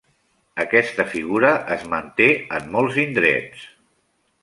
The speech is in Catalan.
Aquesta figura es manté en molts indrets.